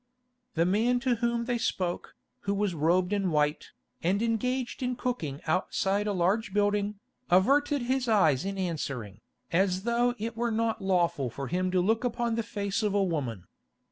The man to whom they spoke, who was robed in white, and engaged in cooking outside a large building, averted his eyes in answering, as though it were not lawful for him to look upon the face of a woman.